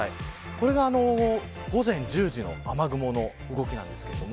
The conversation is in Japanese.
こちら午前１０時の雨雲の動きです。